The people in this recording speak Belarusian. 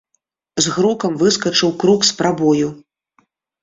З грукам выскачыў крук з прабою.